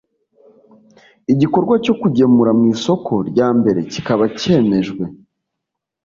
igikorwa cyo kujyemura mu isoko rya mbere kikaba cyemejwe